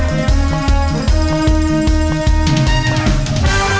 พบกันใหม่ด้วยพรุ่งนี้วันนี้สวัสดีค่ะ